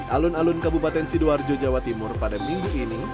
alun alun kabupaten sidoarjo jawa timur pada minggu ini